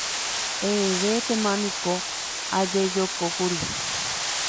Aretéma niko ajejokókuri.